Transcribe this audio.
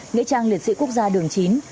nghĩa trang liệt sĩ quốc gia đường chín